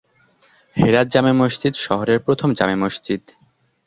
হেরাত জামে মসজিদ শহরের প্রথম জামে মসজিদ।